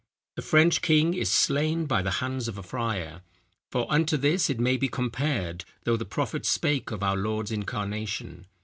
The French king is slain by the hands of a friar. For unto this it may be compared, though the prophet spake of our Lord's incarnation.